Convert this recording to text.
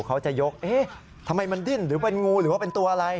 เขาจะยกเอ๊ะทำไมมันดิ้นหรือเป็นงูหรือว่าเป็นตัวอะไร